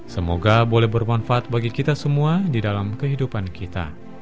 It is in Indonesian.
semoga boleh bermanfaat bagi kita semua di dalam kehidupan kita